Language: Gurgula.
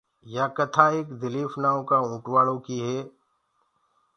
يآ ڪٿآ ايڪ دليٚڦ نآئو ڪآ اوٽواݪو ڪيٚ هي